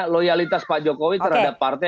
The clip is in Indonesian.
loyalitas pak jokowi terhadap partai